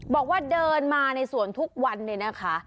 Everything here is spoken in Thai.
บอกว่าเดินมาในสวนทุกวันเลยนะคะ